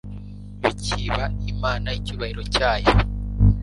bikiba imana icyubahiro cyayo